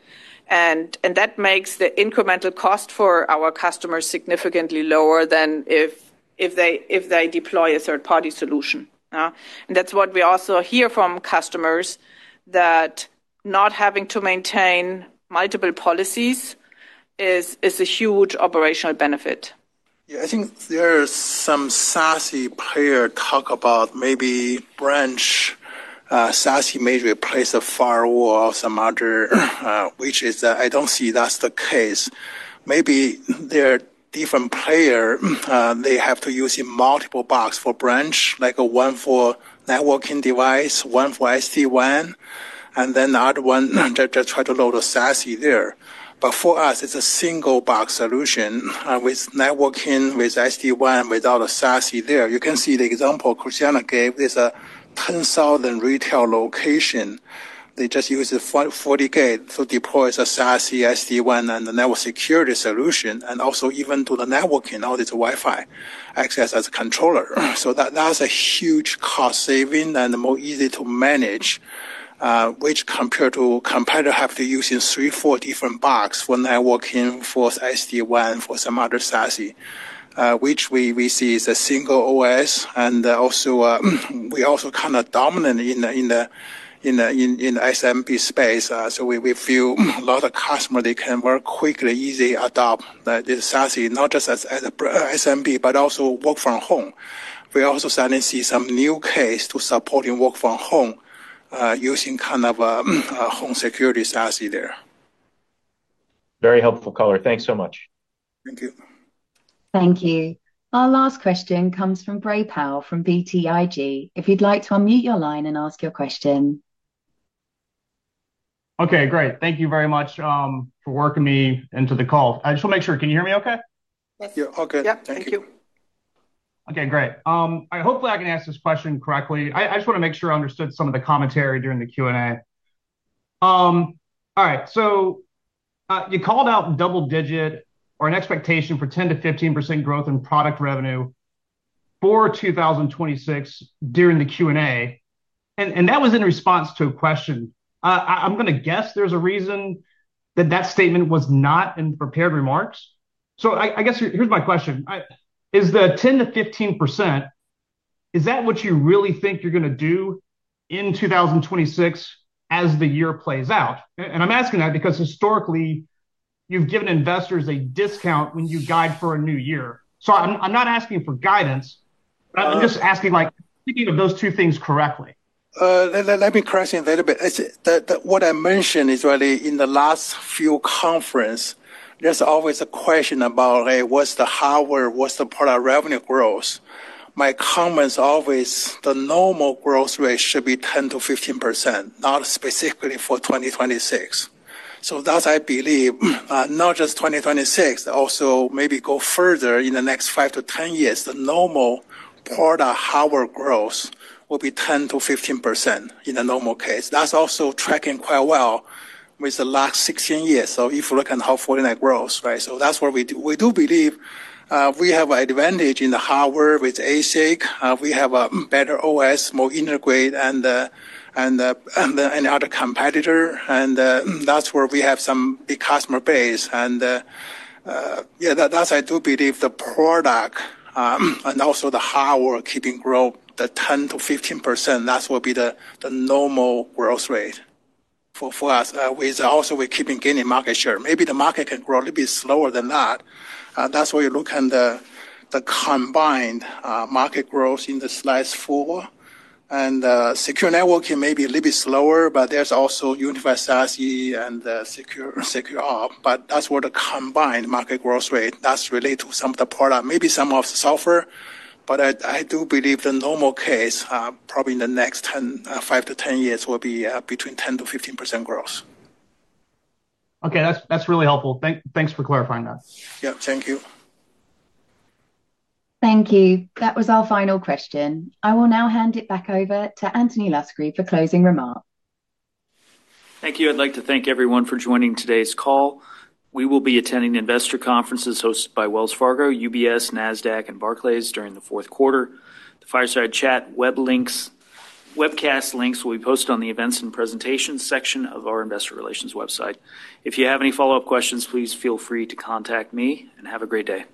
That makes the incremental cost for our customers significantly lower than if they deploy a third-party solution. That's what we also hear from customers, that not having to maintain multiple policies is a huge operational benefit. Yeah. I think there's some SaaS player talk about maybe branch. SaaS maybe replace a firewall or some other, which is I don't see that's the case. Maybe there are different players. They have to use multiple boxes for branch, like one for networking device, one for SD-WAN, and then the other one just tries to load a SaaS there. For us, it's a single box solution with networking, with SD-WAN, without a SaaS there. You can see the example Christiane gave. There's a 10,000 retail location. They just use FortiGate to deploy a SaaS, SD-WAN, and the network security solution, and also even to the networking, all this Wi-Fi access as a controller. That's a huge cost saving and more easy to manage. Which compared to competitor, have to use three, four different boxes for networking, for SD-WAN, for some other SaaS, which we see is a single OS. Also, we also kind of dominant in the SMB space. We feel a lot of customers, they can work quickly, easily adopt this SaaS, not just as an SMB, but also work from home. We also suddenly see some new case to supporting work from home. Using kind of a home security SaaS there. Very helpful color. Thanks so much. Thank you. Thank you. Our last question comes from Gray Powell from BTIG. If you'd like to unmute your line and ask your question. Okay. Great. Thank you very much for working me into the call. I just want to make sure. Can you hear me okay? Yes. Okay. Thank you. Okay. Great. Hopefully, I can ask this question correctly. I just want to make sure I understood some of the commentary during the Q&A. All right. You called out double-digit or an expectation for 10%-15% growth in product revenue for 2026 during the Q&A. That was in response to a question. I'm going to guess there's a reason that that statement was not in prepared remarks. I guess here's my question. Is the 10%-15%—is that what you really think you're going to do in 2026 as the year plays out? I'm asking that because historically, you've given investors a discount when you guide for a new year. I'm not asking for guidance. I'm just asking if you're thinking of those two things correctly. Let me correct you a little bit. What I mentioned is really in the last few conferences, there's always a question about, "Hey, what's the hardware? What's the product revenue growth?" My comments always, "The normal growth rate should be 10%-15%, not specifically for 2026." That's what I believe. Not just 2026, also maybe go further in the next 5-10 years, the normal product hardware growth will be 10%-15% in the normal case. That's also tracking quite well with the last 16 years. If you look at how Fortinet grows, right? That's where we do. We do believe we have an advantage in the hardware with ASIC. We have a better OS, more integrated than any other competitor. That is where we have some big customer base. Yeah, that is why I do believe the product and also the hardware keeping growth, the 10%-15%, that will be the normal growth rate for us. Also, we are keeping gaining market share. Maybe the market can grow a little bit slower than that. That is why you look at the combined market growth in the slide four. Secure networking may be a little bit slower, but there is also unified SaaS and secure. That is where the combined market growth rate does relate to some of the product, maybe some of the software. I do believe the normal case, probably in the next 5-10 years, will be between 10%-15% growth. Okay. That's really helpful. Thanks for clarifying that. Yeah. Thank you. Thank you. That was our final question. I will now hand it back over to Anthony Luscri for closing remarks. Thank you. I'd like to thank everyone for joining today's call. We will be attending investor conferences hosted by Wells Fargo, UBS, NASDAQ, and Barclays during the fourth quarter. The Fireside Chat webcast links will be posted on the events and presentations section of our investor relations website. If you have any follow-up questions, please feel free to contact me and have a great day.